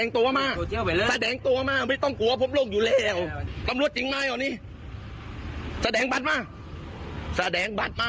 คล้ายตาโล่ไหมคล้ายไหมหรอไม่ได้สังเกต